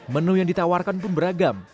menu yang ditawarkan pun beragam